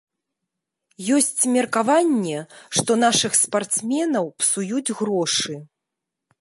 Ёсць меркаванне, што нашых спартсменаў псуюць грошы.